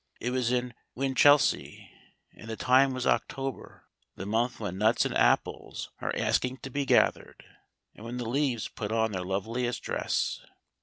It was in Winchelsea, and the time was October, the month when nuts and apples are asking to be gathered, and when the leaves put on their loveliest dress.